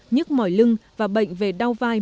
nhức mỏi lưng và bệnh về đau vai